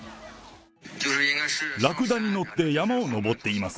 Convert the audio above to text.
ラクダに乗って山を登っています。